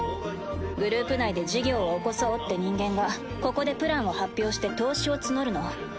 グループ内で事業を起こそうって人間がここでプランを発表して投資を募るの。